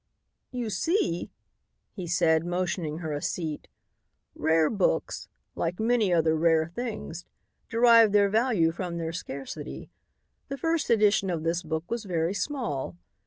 "You see," he said, motioning her a seat, "rare books, like many other rare things, derive their value from their scarcity. The first edition of this book was very small.